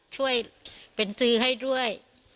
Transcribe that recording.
ช่วยเป็นซื้อให้ด้วย